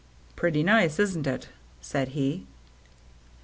" Pretty nice, isn't it ?" said he.